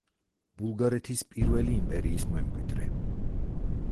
ბულგარეთის პირველი იმპერიის მემკვიდრე.